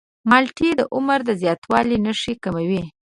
مالټې د عمر د زیاتوالي نښې کموي.